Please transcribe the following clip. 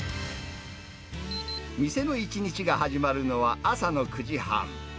店の一日が始まるのは朝の９時半。